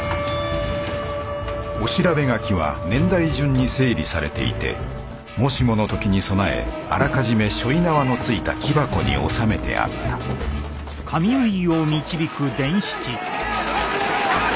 御調べ書きは年代順に整理されていてもしもの時に備えあらかじめ背負い縄のついた木箱に納めてあった急げ！